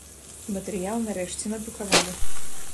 І матэрыял нарэшце надрукавалі.